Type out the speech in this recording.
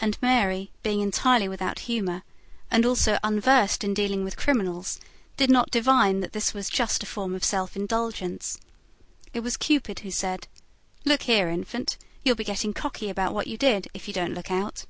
And Mary, being entirely without humour, and also unversed in dealing with criminals, did not divine that this was just a form of self indulgence. It was Cupid who said: "Look here, Infant, you'll be getting cocky about what you did, if you don't look out."